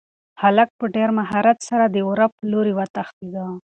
هلک په ډېر مهارت سره د وره لوري ته وتښتېد.